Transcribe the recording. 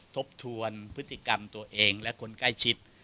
ทบทวนพฤติกรรมตัวเองและคนใกล้ชิด